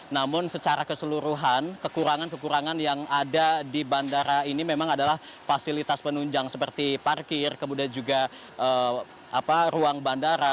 namun secara keseluruhan kekurangan kekurangan yang ada di bandara ini memang adalah fasilitas penunjang seperti parkir kemudian juga ruang bandara